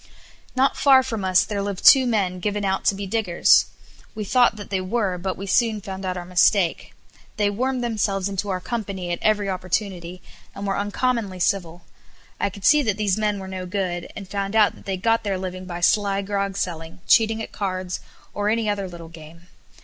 Not far from us there lived two men given out to be diggers. We thought that they were, but we soon found out our mistake. They wormed themselves into our company at every opportunity, and were uncommonly civil. I could see that these men were no good, and found out that they got their living by sly grog selling, cheating at cards, or any other little game.